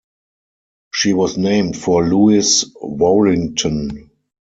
She was named for Lewis Warrington.